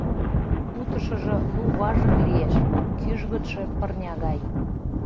Кутышыжо лу важык лиеш, кӱжгытшӧ пырня гай.